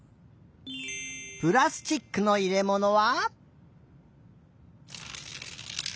プラスチックのいれものは？